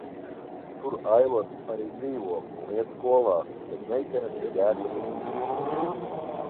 Tur Aivars arī dzīvo un iet skolā, bet meitenes ir Jēkaba ziņā.